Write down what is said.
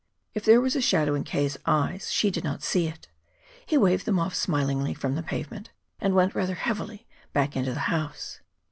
If there was a shadow in K.'s eyes, she did not see it. He waved them off smilingly from the pavement, and went rather heavily back into the house.